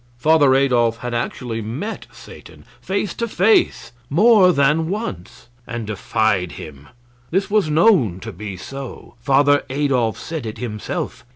Father Adolf had actually met Satan face to face more than once, and defied him. This was known to be so. Father Adolf said it himself.